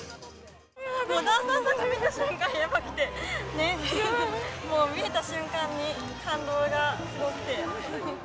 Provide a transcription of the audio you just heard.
ダンサーさんが出た瞬間がやばくて、もう見れた瞬間に、感動がすごくて。